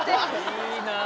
いいなあ。